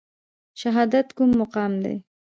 شهادت کوم مقام دی؟